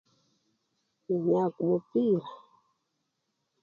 Khwinyaya kumupira,